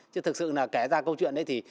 chứ thực sự là kể ra câu chuyện đấy thì